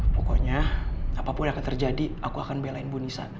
pokoknya apapun yang akan terjadi aku akan belain bu nisa